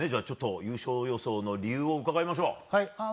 ちょっと優勝予想の理由を伺いましょう。